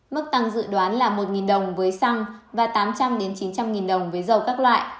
mức tăng dự đoán là một đồng với xăng và tám trăm linh chín trăm linh đồng với dầu các loại